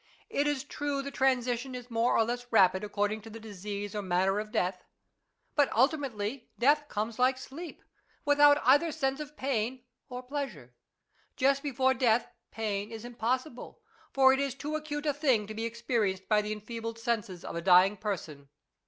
It is true the transition is more or less rapid according to the disease or manner I FREDERIC RUYSCH AND HIS MUMMIES. 115 of death. But ultimately death comes like sleep, with out either sense of pain or pleasure. Just before death pain is impossible, for it is too acute a thing to be experienced by the enfeebled senses of a dying person.